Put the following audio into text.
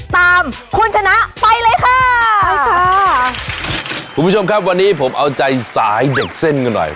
ตามคุณชนะไปเลยค่ะไปค่ะคุณผู้ชมครับวันนี้ผมเอาใจสายเด็กเส้นกันหน่อย